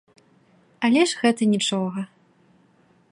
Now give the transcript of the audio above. Але ж гэта нічога.